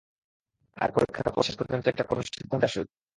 আর পরীক্ষার পর শেষপর্যন্ত একটা কোনো সিদ্ধান্তে আসুক।